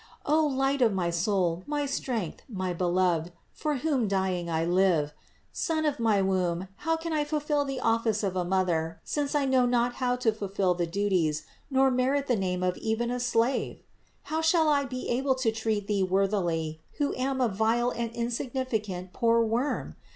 O Light of my soul, my strength, my Beloved, for whom dying I live! Son of my womb, how can I fulfill the office of a Mother, since I know not how to THE INCARNATION 369 fulfill the duties, nor merit the name of even a slave? How shall I be able to treat Thee worthily, who am a vile and insignificant, poor worm